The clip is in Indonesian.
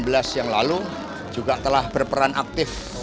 pemilu dua ribu sembilan belas yang lalu juga telah berperan aktif